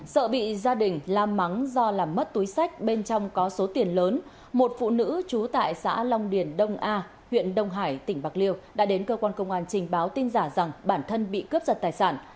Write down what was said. sợ bị gia đình lam mắng do làm mất túi sách bên trong có số tiền lớn một phụ nữ trú tại xã long điền đông a huyện đông hải tỉnh bạc liêu đã đến cơ quan công an trình báo tin giả rằng bản thân bị cướp giật tài sản